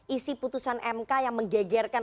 isi putusan mk yang menggegerkan